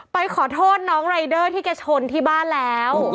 ไปขอโทษน้องรายเดอร์ที่แกชนที่บ้านแล้ว